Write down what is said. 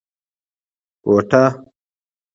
کوټه